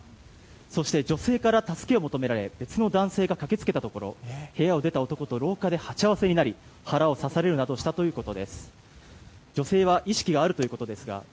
そして、女性から助けを求められ別の男性が駆けつけたところ部屋を出た男と廊下で鉢合わせになり腹を刺されるなどしたということです。